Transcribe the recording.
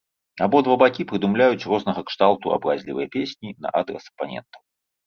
Абодва бакі прыдумляюць рознага кшталту абразлівыя песні на адрас апанентаў.